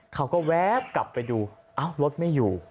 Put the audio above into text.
เขาก็แว๊บกลับไปดูเอ้ารถไม่อยู่